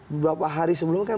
beberapa hari sebelum kan